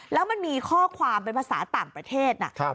แล้วมันมีข้อความเป็นภาษาต่างประเทศนะ